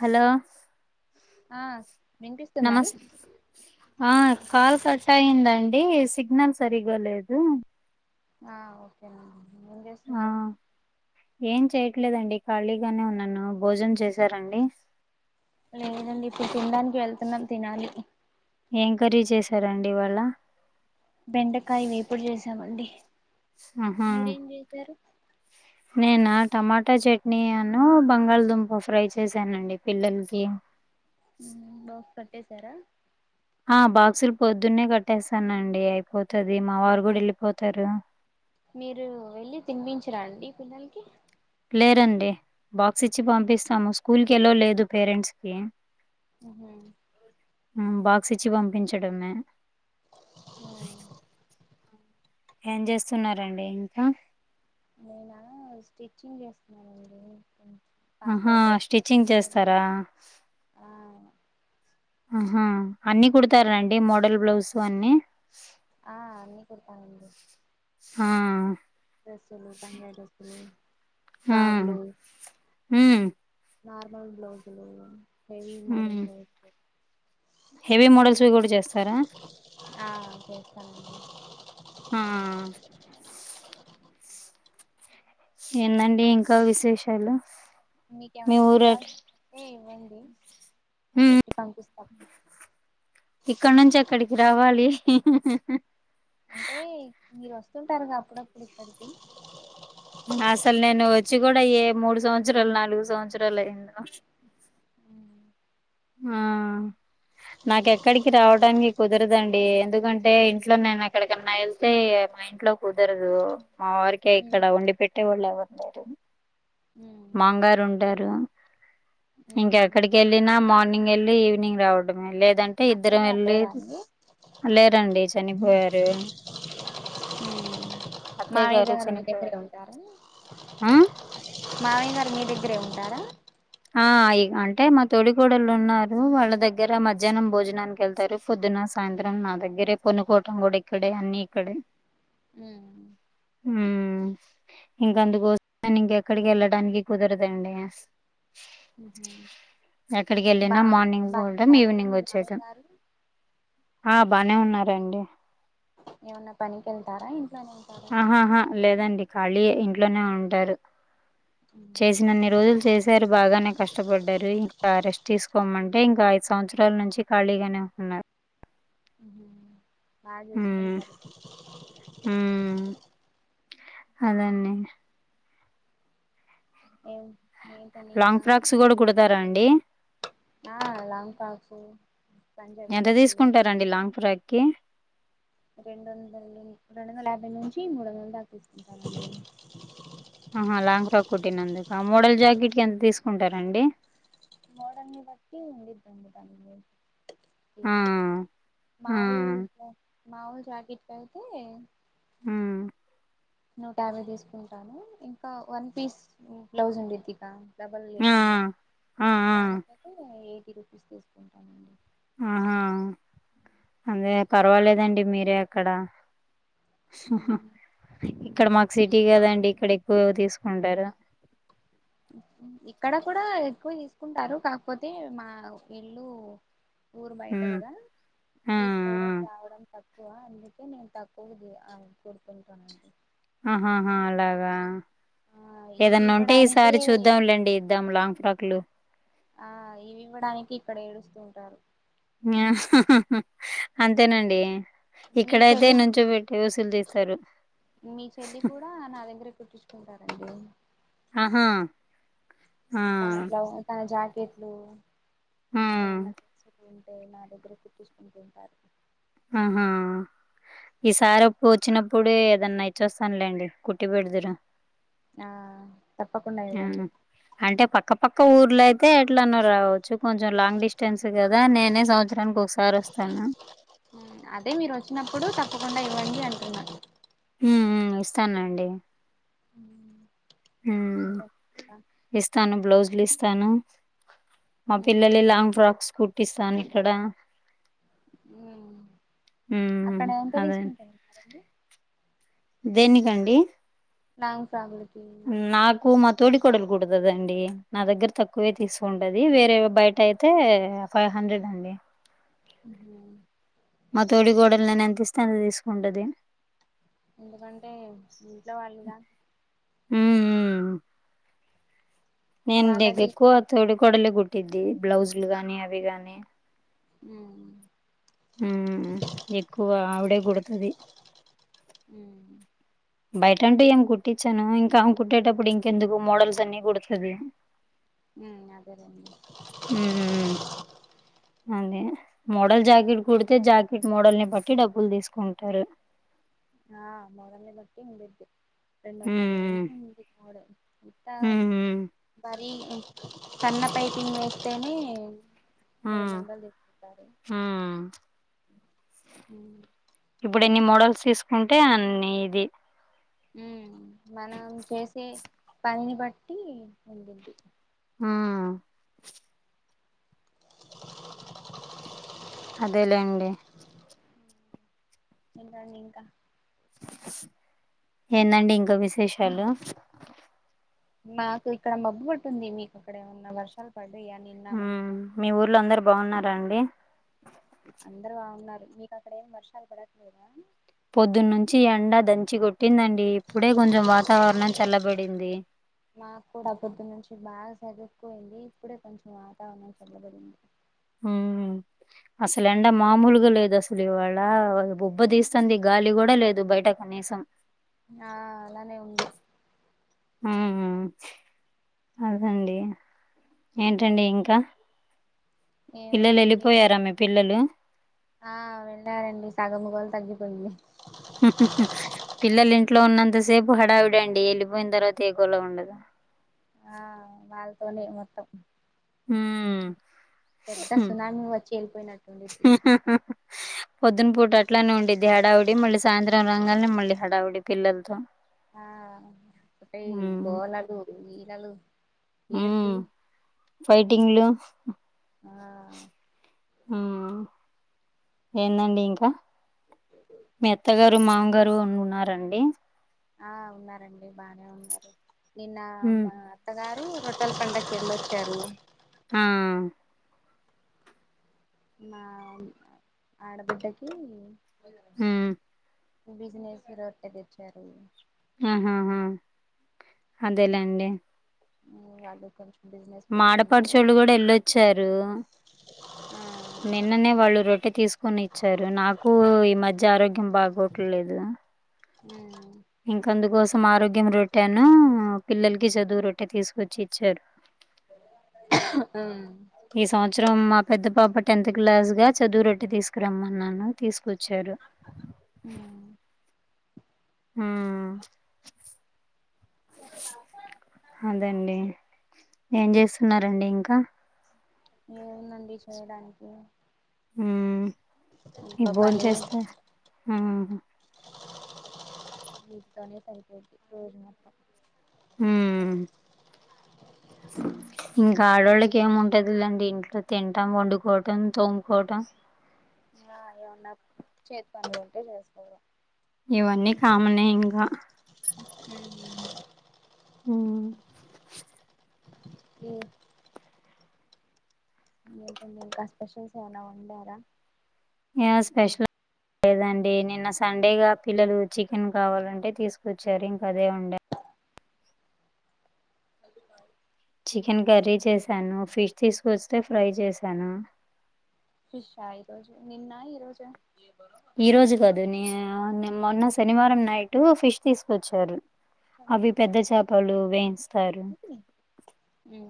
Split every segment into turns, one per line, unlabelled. Hello
ఆ వినిపిస్తుందా అండి
నమస్తే ఆ కాల్ కట్ అయిందండి సిగ్నల్ సరిగాలేదు
ఆ ఓకే అండి ఏం
ఆ
చేస్తున్నారు
ఏం చేయ్యట్లేదండి ఖాళీగానే ఉన్నాను భోజనం చేసి
లేదండి ఇప్పుడు తినడానికి వెళ్తున్నాం తినాలి
ఎం కరీ చేశారండి ఇవాళ
బెండకాయ వేపుడు చేసామండి
ఆహా
మీరేం చేశారు
నేనా టమాటా చట్నీ అను బంగాళదుంప ఫ్రై చేశానండి పిల్లలకి
బాక్స్ కట్టేశారా
ఆ బాక్సులు పొద్దున్నే కట్టేస్తానండి అయిపోతది మా వారు కూడా వెళ్ళిపోతారు
మీరు వెళ్ళి తినిపించరండి పిల్లలకి
లేరండి బాక్స్ ఇచ్చి పంపిస్తాము స్కూల్కి ఎలో లేదు పేరెంట్స్కిి
ఉహు
బాక్స్ ఇచ్చి పంపించడమే ఏం చేస్తున్నారండి ఇంకా
నేన స్టిచ్చింగ్ చేస్తున్నానండి పాప
ఆహా
డ్రెస్సులు
స్టిచ్చింగ్
కుట్టారంట
చేస్తారా
ఆ
ఆహా అన్ని కుదుతరండి మోడల్ బ్లౌజు అన్ని
ఆ అన్ని కొడుతా అండి
ఆ
డ్రెస్సులు పంజాబ్ డ్రెస్సులు
హ్మ్.
ఫ్రాగులు
హ్మ్.
నార్మల్ బ్లౌస్లు హెవీ మోడల్
హ్మ్. హెవీ మోడల్స్ కూడా చేస్తారా
ఆ చేస్తానండి
ఆ ఏందండి ఇంకా విశేషాలు మీ
మీకేమన్నా
ఊరు ఎట్
కుట్టాల్సినవి ఉంటే ఇవ్వండి
హ్మ్.
కుట్టి పంపిస్తాం
ఇక్కడ నుంచి అక్కడికి రావాలి
అంటే మీరు వస్తుంటారుగా అప్పుడప్పుడు ఇక్కడికి
అసలు నేను వచ్చి కూడా ఏ మూడు సంవత్సరాలు నాలుగు సంవత్సరాలు అయిందో
ఉమ్
ఆ నాకెక్కడికి రావడానికి కుదరదండి ఎందుకంటే ఇంట్లో నేను ఎక్కడికన్నా వెళ్తే ఇంట్లో కుదరదు మా వారికి ఇక్కడ వండి పెట్టే వాళ్ళు ఎవ్వరు లేదు
ఉమ్
మాంగారు ఉంటారు
ఉమ్
ఇంకెక్కడికి వెళ్ళిన మా మార్నింగ్ వెళ్ళి ఈవినింగ్ రావడమే లేదంటే
అత్తయ్య
ఇద్దరం
గారు
వెళ్ళి
లేరా అండి
లేరండి చనిపోయారు అత్తయ్య
మామయ్య గారు మీ దగ్గరే
చనిపోయారు
ఉంటారా
ఆ
మావయ్య గారు మీ దగ్గరే ఉంటారా
ఆ అంటే మా తొడి కోడళ్ళు ఉన్నారు వాళ్ళ దగ్గర మధ్యాహ్నం భోజనానికి వెళ్తారు పొద్దున సాయంత్రం నా దగ్గరే పండుకోటం కూడా ఇక్కడే అన్ని ఇక్కడే
ఉ
ఉ ఇంక అందుకోసము ఇంకెక్కడికి వెళ్ళడానికి కుదరదండి
ఉహు
ఎక్కడికి
బా
వెళ్ళినా మార్నింగ్ పోటం
బాగున్నారండి
ఈవినింగ్
మీ మామయ్య
వచ్చేతం
గారు
ఆ బానే ఉన్నారండి
ఏమన్నా పనికి వెళ్తారా ఇంట్లోనేనా
ఆహాహా లేదండి ఖాళీయే ఇంట్లోనే ఉంటారు
ఉమ్
చేసిన అన్ని రోజులు చేసి సార్ బాగానే కష్టపడ్డారు ఇంకా రెస్ట్ తీసుకోమంటే ఇంకా ఐదు సంవత్సరాల నుంచి ఖాళీగానే ఉన్నారు
బాగా చూసుకోండి మరి
ఉమ్ అదండీ
ఏం ఏంటండి
లాంగ్
ఇంకా
ఫ్రాక్స్ కూడా కుడతారా అండి
ఆ లాంగ్ ఫాక్సు పంజాబీ డ్రసులు
రండి లాంగ్ ఫ్రాక్ి
రెండు వందలు రెండు వందల యాభై నుంచి మూడు వందల దాక తీసుకుంటారండి
ఆహా లాంగ్ ఫ్రాక్ కొట్టినందుక మోడల్ జాకెట్ కి ఎంత తీసుకుంటారంండి
మోడల్ ని బట్టి ఉండిందింది. కి
ఆ! ఆ!
మావుల్ మావుల్ జాకెట్ కి ఐతే
ఉమ్
నోట యాభై తీసుకుంటాను ఇంకా వన్ పీస్ బ్లౌజ్ ఉండేద్దిగా డబల్
ఆ
లేకుండ
ఆ ఆ
దానికైతే ఎయిటీ రూపీస్ తీసుకుంటామండి
ఆహా అదే పర్వాలేదండి మీరే అక్కడ ఇక్కడ మాకు సిటీ కదండి ఇక్కడ ఎక్కువ తీసుకుంటారు
ఇక్కడ కూడ ఎక్కువ తీసుకుంటారు కాకపోతే మా ఇళ్ళు ఊరు బయట
హ్మ్
కదా
ఆ
తీసుకోవడం
ఆ
రావడం తక్కువ అందుకే నేను తక్కువ కూరుకుంటానండి
ఆహహా అలాగా
ఆ ఇవి
ఏదన్నా ఉంటే
ఇవ్వడానికే
ఈసారి చూద్దాంలేండి ఇద్దాం లాంగ్ ఫ్రాగ్ లు
ఆ ఇవి ఇవ్వడానికి ఇక్కడ ఏడుస్తు ఉంటారు
ఆ అంతేనండి
మీ
ఇక్కడైతే
చెల్లి
నుంచో ట వసూలు తీస్తారు
మీ చెల్లి కూడ నా దగ్గరె కుట్టించుకుంటారంండి
ఆహా ఆ
తన బ్లౌ తన జాకెట్లు
ఆ
ఏమన్నా తీసుకుంటే నా దగ్గర కుట్టించుకుంటూ ఉంటారు
ఆహా ఈసారి ఎప్పు వచ్చినప్పుడు ఏదన్నా ఇచ్చి వస్తానులేండి కుట్టి బెడుదురు
ఆ తప్పకుండ ఇవ్వండి
ఆ అంటే పక్కపక్క ఊర్లు అయితే ఎట్లాన్నా రావచ్చు కొంచెం లాంగ్ డిస్టెన్స్ కదా నేనే సంవత్సరానికి వ ఈ సార్ వస్తాను
అదే మీరు వచ్చినప్పుడు తప్పకుండ ఇవ్వండి అంటున్నా
ఉమ్ మ్ ఇస్తానండి హ్మ్.
ఎంటండి ఇంకా
ఇస్తాను బ్లౌజ్లు ఇస్తాను మా
ఉమ్,
పిల్లలు లాంగ్ ఫ్రాక్స్ కు టిస్తాన్ ఇక్కడ హ్మ్.
అక్కడ ఎంత
అదే.
తీసుకుంటారు
దేనిక్ అండి
లాంగ్ ఫ్రాగ్లికి
నాకు మా తోడి కొడలు కుడతదండి నా దగ్గర తక్కువే తీసుకుంటది వేరే బయట అయితే ఫైవ్ హండ్రెడ్ అండి
ఉహు
మా తోడి కోడలు నేను ఎంత ఇస్తే అంత తీసుకుంటది
ఎందుకంటే ఇంట్లో వాళ్ళుద
ఉమ్ ఉ నేను దగ
వాళ్ళది
ఎక్కువ తోడి కొడలే కుట్టిద్ది బ్లౌజ్ లు గాని అవి గాని
ఉ
ఉ ఎక్కువ ఆవిడే కుడుతది
వువో
బయట అంటే ఏం కుట్టించాను ఇంకా కుట్టేటప్పుడు ఇంకెందుకు మోడల్స్ అన్ని కుడుతది.
ఉ అదేలేండి
ఉహు అదే మోడల్ జాకెట్ కుడితే జాకెట్ మోడల్ని బట్టి డబ్బులు తీసుకుంటారు.
ఆ మోడలని బట్టి ఉండుద్ది రెండు
మ్మ్
వందలు [unintelligible]
మ్మ్
మరి సన్న పైపింగ్ వేస్తేనే ఇంగా రెండు వందలు తీసుకుంటారు
ఆ
ఉ
ఇప్పుడు ఎన్ని మోడల్స్ తీసుకుంటే అన్ని ఇది
ఉ మనం చేసే పనిని బట్టి ఉండుద్ది
ఆ
[inaudible]
అదేలేండి
ఏంటండి ఇంకా
ఏందండి ఇంకా విశేషాలు
మాకు ఇక్కడ మబ్బు పట్టి ఉంది మీకు అక్కడ ఏమన్నా వర్షాలు పడ్డాయా నిన్నా
మ్మ్
మొన్నా.
మీ ఊర్లో అందరు బాగున్నారాండి
అందరు బాగున్నారు మీకు అక్కడేమ్ వర్షాలు పడట్లేదా.
పొద్దున్న నుంచి ఎడా దంచి కొట్టిందండి ఇప్పుడే కొంచెం వాతావరణం చల్లబడింది.
మాకు కూడా పొద్దు నుంచి బాగా సద్దుకొయింది, ఇప్పుడే కొంచెం వాతావరణం చల్లబడింది.
ఉ అసలు ఎండా మామూలుగా లేదు అస్ అసలు ఇవాళ్ళ బుబ్బ తీస్తాంది గాలి కూడా లేదు బయట కనీసం.
ఆ అలానే ఉంది
ఊఉ ఆ అదండి ఏంటండి ఇంకా పిల్లలు
ఏముందండి
వెళ్ళిపోయారా మీ పిల్లలు
ఆ వెళ్ళారండి సగం గోల తగ్గిపోయింది
హుహుహు పిల్లలు ఇంట్లో ఉన్నంత సేపు హడావిడే అండి వెళ్ళిపోయిన తర్వాతే ఏ గోలా ఉండదు.
ఆ వాళ్ళతోనే మొత్తం
హ్మ్.
పెద్ద సునామీ వచ్చి వెళ్ళిపోయినట్టు ఉండిద్ది
పొద్దున పూట అట్లానే ఉండిద్ది హడావుడి మళ్ళీ సాయంత్రం రాన్గానే మళ్ళీ హడావుడి. పిల్లలతో
ఆ ఒక్కటే
హ్మ్.
గోళలు లీలాలు
హ్మ్.
ఏడుపులు
ఫైటింగ్లు
ఆ
ఉ ఏందండి ఇంకా మీ అత్తగారు మామగార్ రు ఉన్నారా అండి
ఆ ఉన్నారండి బాగానే ఉన్నారు నిన్న
ఉమ్
మా అత్తగారు ఒ రొట్టెల పండగకి వెళ్లొచ్చారు
ఆ
మా ఆడబిడ్డకి
ఉమ్
బిజినెస్ రోట్టే తెచ్చారు
ఆహాహా అదేలేండి
వాళ్లు కొంచెం బిజినెస్
మా
పెట్టుకున్నారు
ఆడపడుచోళ్ళు కూడా వెళ్ళొచ్చారు
ఆ
నిన్ననే వాళ్ళు రొట్టె తీసుకొని ఇచ్చారు నాకు ఈ మధ్య ఆరోగ్యం బాగోట్లేదు
హ్మ్
ఇంక అందుకోసం ఆరోగ్యం రొట్టెను పిల్లలకి చదువు రొట్టె తీసుకొచ్చి ఇచ్చారు
అ
ఈ సంవత్సరం మా పెద్ద పాప టెన్త్ క్లాస్ గా చదువు రొట్టె తీసుకురమ్మన్నాను తీసుకొచ్చారు
హ్మ్
హ్మ్ అదండి ఏం చేస్తున్నారండి ఇంకా
ఏముందండి చేయడానికి
హ్మ్
ఇంట్లో
భోన్
పని
చేస్తా మ్మ్
వీటితోనే సరిపోయిద్ది రోజు మొత్తం
హ్మ్ ఇంక ఆడోళ్ళకి ఏముంటది లేండి ఇంట్లో తింటం వండుకోటం తోముకోటం
ఏమన్నా చేతి పనులు ఉంటే చేసుకోవడం
ఇవన్నీ కామనే ఇంగా
హ్మ్
హ్మ్
హ్మ్ లేదండి ఇంకా స్పెషల్స్ ఏమైనా వండారా
ఏం స్పెషల్ లేదండి నిన్న సండేగా పిల్లలు చికెన్ కావాలంటే తీసుకొచ్చారు ఇంకదే వండా చికెన్ కర్రీ చేశాను ఫిష్ తీసుకొస్తే ఫ్రై చేశాను
ఫిష్షా ఈరోజు నిన్న ఈరోజా
ఈ రోజు కాదు న మొన్న శనివారం నైట్ ఫిష్ తీసుకొచ్చారు అవి పెద్ద చేపలు వేయించుతారు
హ్మ్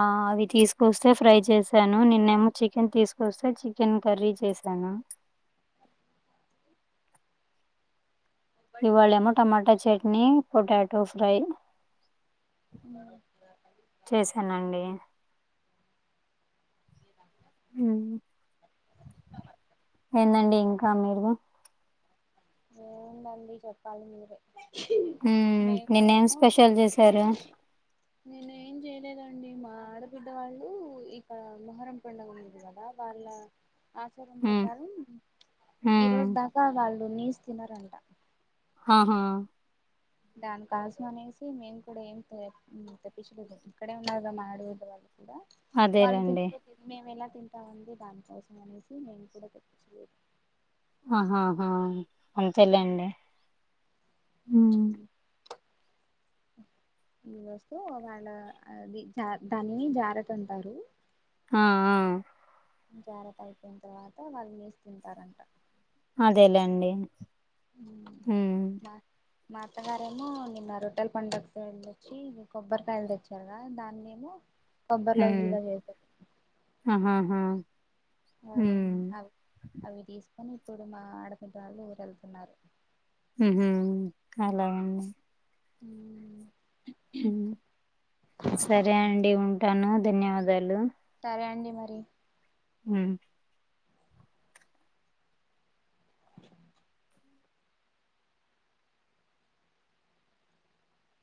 ఆ అవి తీసుకొస్తే ఫ్రై చేసాను నిన్నేమో చికెన్ తీసుకొస్తే చికెన్ కర్రీ చేసాను ఇవాళేమో టమాటా చట్నీ పొటాటో ఫ్రై
[unintelligible]
చేశానండి హ్మ్ ఏందండి ఇంకా వాన పడదు
ఏందండి చెప్పాలి మీరే
హ్మ్ నిన్న ఏం
మేమేమో
స్పెషల్ చేసారు
నేను ఏం చేయలేదండి మా ఆడబిడ్డ వాళ్ళు ఇక మొహరం పండుగ ఉండది కదా వాళ్ళ ఆచారం
హ్మ్
ప్రకారం ఈ
హ్మ్
రోజు దాకా వాళ్ళు నీసు తినరంట
ఆహా
దాని కోసం అనేసి మేము కూడా ఏం తెప్పించలేదు ఇక్కడే ఉన్నారుదా మా ఆడబిడ్డ వాళ్ళు కూడా వాళ్ళు
అదేలేండి.
తినకపోతే మేము ఎలా తింటామండి దానికోసం అనేసి మేము కూడా తెప్పించలేదు
ఆహాహా అంతేలేండి
ఊ
హ్మ్.
హ ఇ వస్తూ ఒకలా అది జా దానిని జారతుంటారు
ఆ ఆ
జాగ్రత్త అయిపోయిన తర్వాత వాళ్ళు నీస్ తింటారంట
అదేలేండి
ఊ
హ్మ్.
బా మా అత్తగారేమో నిన్న రోటల్ పండుగ కని తెచ్చి కొబ్బరికాయలు తెచ్చారు గద దాన్నేమో పొందర్
హ్మ్.
లౌజులుగా చేసె
ఆహాహా హ్మ్.
అవి అవి తీసుకొని ఇప్పుడు మా ఆడపింటి వాళ్ళు ఊరు వెళ్తున్నారు
ఉహు అలాగండి
ఊ
ఉ సరే అండి ఉంటాను ధన్యవాదాలు
సరే అండి మరి
ఊ
అ